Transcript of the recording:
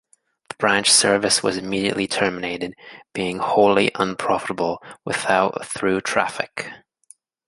The branch service was immediately terminated, being wholly unprofitable without through traffic.